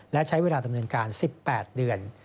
และใช้เวลาดำเนินการ๑๘เดือน